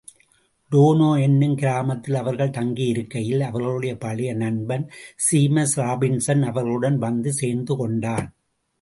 டோனோ என்னும் கிராமத்தில் அவர்கள் தங்கியிருக்கையில் அவர்களுடைய பழைய நண்பன் ஸீமஸ் ராபின்ஸன் அவர்களுடன் வந்து சேர்ந்து கொண்டான்.